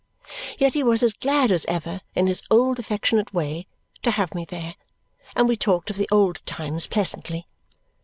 Yet he was as glad as ever, in his old affectionate way, to have me there, and we talked of the old times pleasantly.